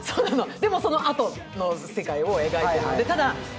でも、そのあとの世界を描いているので。